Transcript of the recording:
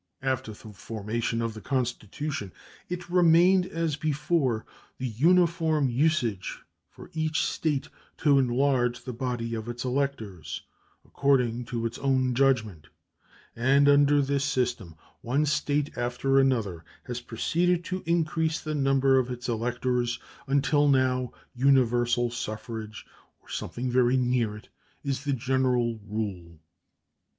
After the formation of the Constitution it remained, as before, the uniform usage for each State to enlarge the body of its electors according to its own judgment, and under this system one State after another has proceeded to increase the number of its electors, until now universal suffrage, or something very near it, is the general rule.